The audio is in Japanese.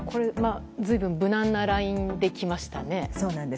随分無難なラインできましたね。